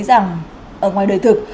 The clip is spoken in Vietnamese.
chỉ rằng ở ngoài đời thực